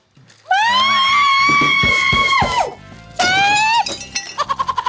เชฟ